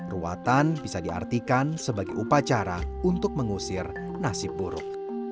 ruatan bisa diartikan sebagai upacara untuk mengusir nasib buruk